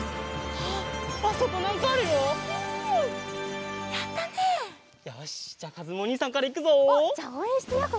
おっじゃあおうえんしてよう